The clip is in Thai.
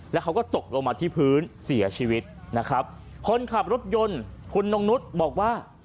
แล้วเขาก็ตกลงมาที่พื้นเสียชีวิตนะครับคนขับรถยนต์คุณนงนุษย์บอกว่า